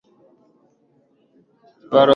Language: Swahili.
Álvaro Soler EnriqueIglesias Rels wa Spain